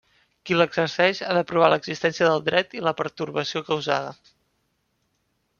Qui l'exerceix ha de provar l'existència del dret i la pertorbació causada.